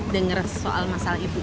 dengar soal masalah ibu